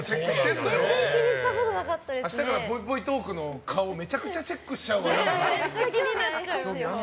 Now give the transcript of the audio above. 全然気にしたことが明日からぽいぽいトークの顔めちゃくちゃチェックしちゃうわ。